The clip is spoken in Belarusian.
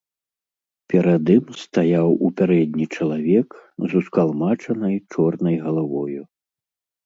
Перад ім стаяў у пярэдні чалавек з ускалмачанай чорнай галавою.